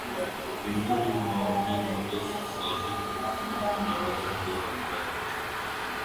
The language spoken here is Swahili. miongoni mwa wahudumu waliyofariki anaweza kuwa violet